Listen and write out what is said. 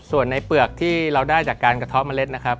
ส่วนในเปลือกที่เราได้จากการกระเทาะเมล็ดนะครับ